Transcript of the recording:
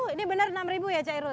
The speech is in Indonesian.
ini benar enam ya cairul ya